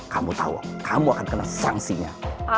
kamu tahu kamu akan kena sanksinya